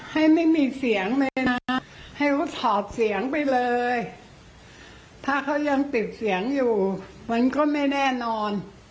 ให้เขาถอดเสียงไปเลยถ้าเขายังติดเสียงอยู่มันก็ไม่แน่นอน